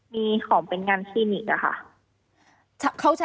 มีของเป็นงานคลินิกอะค่ะ